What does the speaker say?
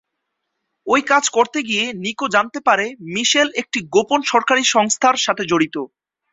ওই কাজ করতে গিয়ে নিকো জানতে পারে মিশেল একটি গোপন সরকারি সংস্থার সাথে জড়িত।